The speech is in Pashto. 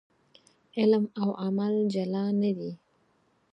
علم او عمل جلا نه دي.